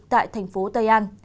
tại thành phố tây an